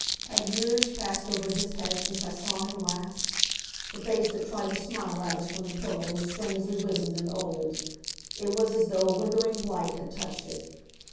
Had years passed over his head since I saw him last? The face that tried to smile at us from the pillow was strangely wizened and old. It was as though a withering blight had touched it.